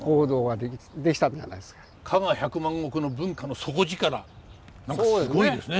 加賀百万石の文化の底力何かすごいですね。